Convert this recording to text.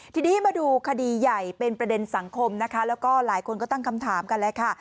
ทีนี้มาดูคดีใหญ่เป็นประเด็นสังคมนะคะแล้วก็หลายคนก็ตั้งคำถามกันแล้วค่ะ